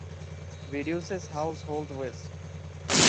Reduces household waste.